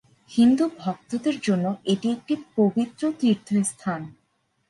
হিন্দু ভক্তদের জন্য এটি একটি পবিত্র তীর্থস্থান।